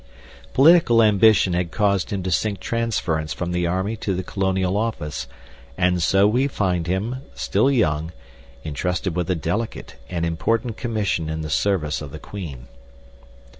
Political ambition had caused him to seek transference from the army to the Colonial Office and so we find him, still young, entrusted with a delicate and important commission in the service of the Queen.